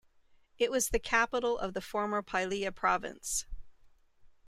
It was the capital of the former Pylia Province.